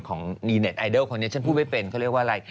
ของมีเน็ตไอดอลคนนี้ฉันพูดไม่เป็นเขาเรียกว่าอะไร